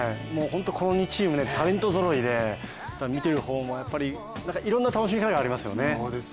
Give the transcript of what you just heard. この２チーム、タレントぞろいで見ている方もいろんな楽しみ方がありますよね。